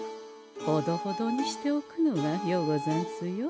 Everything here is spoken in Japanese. ほどほどにしておくのがようござんすよ。